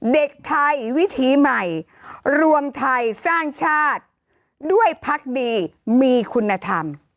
เด็กไทยวิถีใหม่รวมไทยสร้างชาติด้วยพักดีมีคุณธรรม